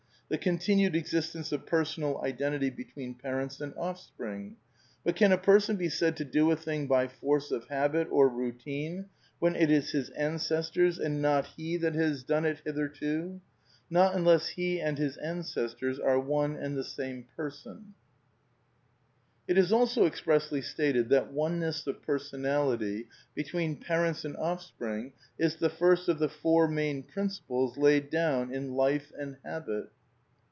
..."" The continued existence of personal identity between parents and offspring." (Life and Habit, pages 85, 96, 97.) " But can a person be said to do a thing by force of habit or routine when it is his ancestors and not he that has done it 20 A DEFENCE OF IDEALISM hitherto ! Not unless he and his ancestors are one and the same person.'* {Unconscious Memory, page 17.) It is also expressly stated that ^^ oneness of personality " between parents and offspring " is the first of the " four main principles " laid down in Life and Habit.